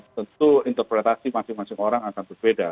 tentu interpretasi masing masing orang akan berbeda